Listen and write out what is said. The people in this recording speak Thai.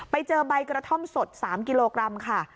ไปเจอใบกระท่อมสด๓กิโลกรัมค่ะ